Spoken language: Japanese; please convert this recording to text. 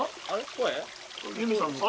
声？